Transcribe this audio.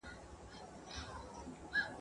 له آفته د بازانو په امان وي ..